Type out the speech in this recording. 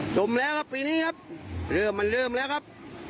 ชมแล้วครับปีนี้ครับเริ่มมันเริ่มแล้วครับ